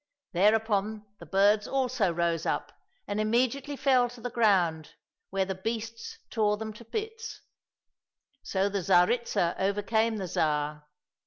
" Thereupon the birds also rose up, and immediately fell to the ground, where the beasts tore them to bits. So the Tsaritsa overcame the Tsar.